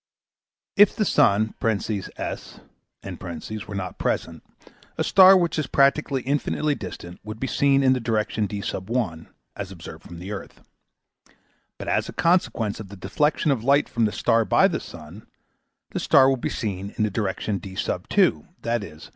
If the sun (S) were not present, a star which is practically infinitely distant would be seen in the direction D, as observed front the earth. But as a consequence of the deflection of light from the star by the sun, the star will be seen in the direction D, i.e.